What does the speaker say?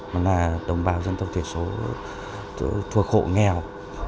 đồng bào dân tộc thiểu số thuộc hộ nghèo